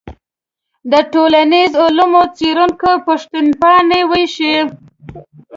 د ټولنیزو علومو څېړونکي پوښتنپاڼې ویشي.